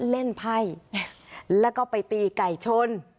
เล่นไพ่แล้วก็ไปตีไก่ชน